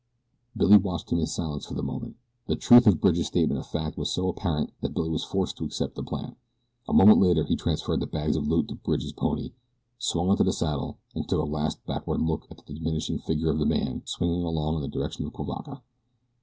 Billy watched him in silence for a moment. The truth of Bridge's statement of fact was so apparent that Billy was forced to accept the plan. A moment later he transferred the bags of loot to Bridge's pony, swung into the saddle, and took a last backward look at the diminishing figure of the man swinging along in the direction of Cuivaca.